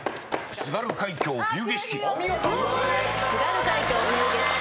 『津軽海峡・冬景色』お見事。